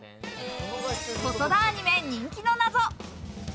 細田アニメ人気のナゾ。